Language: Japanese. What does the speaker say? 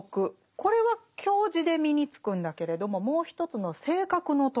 これは教示で身につくんだけれどももう一つの「性格の徳」